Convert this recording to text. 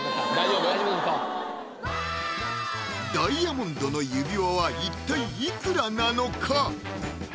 ダイヤモンドの指輪は一体いくらなのか？